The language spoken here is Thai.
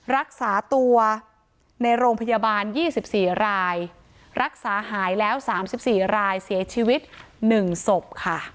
รักษาตัวในโรงพยาบาล๒๔รายรักษาหายแล้ว๓๔รายเสียชีวิต๑ศพค่ะ